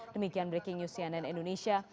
demikian breaking news cnn indonesia